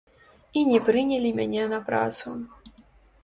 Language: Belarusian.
І не прынялі мяне на працу.